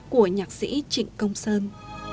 của nhạc sĩ trịnh công sơn